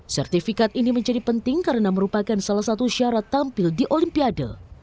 sertifikat ini menjadi penting karena merupakan salah satu syarat tampil di olimpiade